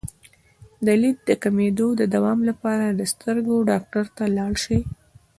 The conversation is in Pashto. د لید د کمیدو د دوام لپاره د سترګو ډاکټر ته لاړ شئ